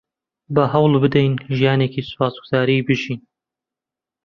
با هەوڵ بدەین ژیانێکی سوپاسگوزاری بژین.